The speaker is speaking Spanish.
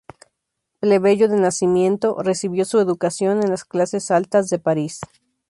Plebeyo de nacimiento, recibió su educación en las clases altas de París.